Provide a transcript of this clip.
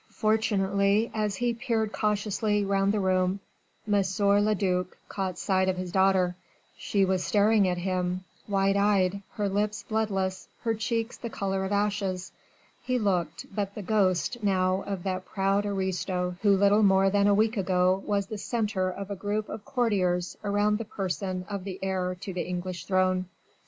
Fortunately as he peered cautiously round the room, M. le duc caught sight of his daughter. She was staring at him wide eyed, her lips bloodless, her cheeks the colour of ashes. He looked but the ghost now of that proud aristocrat who little more than a week ago was the centre of a group of courtiers round the person of the heir to the English throne.